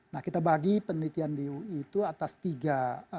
nah kita bagi penelitian di ui itu atas tiga